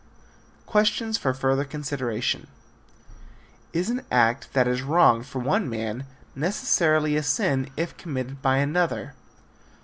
Questions for Further Consideration. Is an act that is wrong for one man necessarily a sin if committed by another?